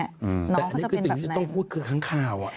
แต่อันนี้คือสิ่งที่จะต้องพูดคือค้างข่าว